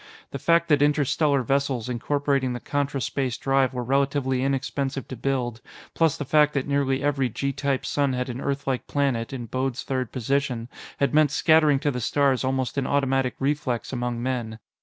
The fact that interstellar vessels incorporating the contraspace drive were relatively inexpensive to build, plus the fact that nearly every G type sun had an Earth like planet in Bode's Third Position, had made scattering to the stars almost an automatic reflex among men.